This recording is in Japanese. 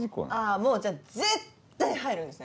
もうじゃあ絶っ対入るんですね？